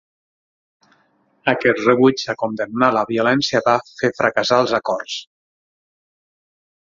Aquest rebuig a condemnar la violència va fer fracassar els acords.